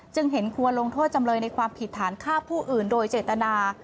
เห็นควรลงโทษจำเลยในความผิดฐานฆ่าผู้อื่นโดยเจตนา